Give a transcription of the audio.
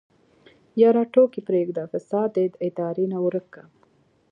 يره ټوکې پرېده فساد دې د ادارې نه ورک که.